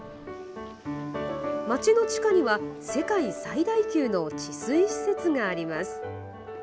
街の地下には、世界最大級の治水施設があります。